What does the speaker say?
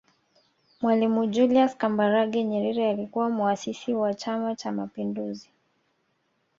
Mwalimu Julius Kambarage Nyerere alikuwa Muasisi wa Chama Cha Mapinduzi